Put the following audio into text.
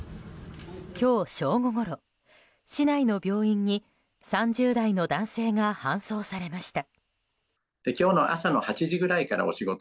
今日正午ごろ、市内の病院に３０代の男性が搬送されました。